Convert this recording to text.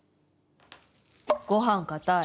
ご飯硬い。